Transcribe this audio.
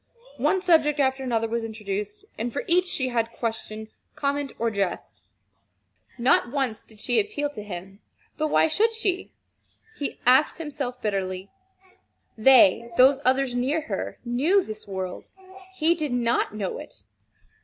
One subject after another was introduced, and for each she had question, comment, or jest. Not once did she appeal to him. But why should she, he asked himself bitterly. They those others near her, knew this world. He did not know it.